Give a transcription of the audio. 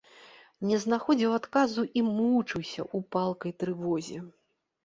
Не знаходзіў адказу і мучыўся ў палкай трывозе.